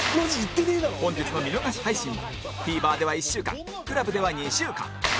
本日の見逃し配信も ＴＶｅｒ では１週間 ＣＬＵＢ では２週間